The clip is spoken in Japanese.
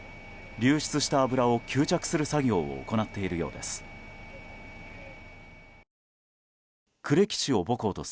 流出した油を吸着する作業を行っているようです。